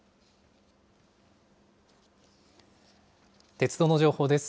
鉄道の情報です。